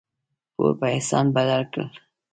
پور په احسان بدل کړه.